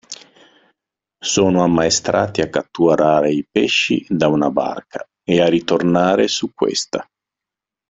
Sono ammaestrati a catturare i pesci da una barca ed a ritornare su questa.